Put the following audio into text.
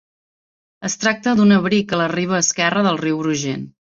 Es tracta d'un abric a la riba esquerra del riu Brugent.